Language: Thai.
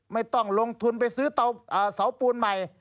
ไม่ต้องลงทุนไปซื้อเตาเสาปูนใหม่